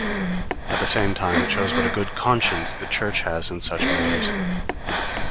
At the same time it shows what a good conscience the Church has in such matters.